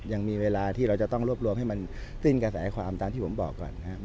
ยังมีเวลาที่เราจะต้องรวบรวมให้มันสิ้นกระแสความตามที่ผมบอกก่อนนะครับ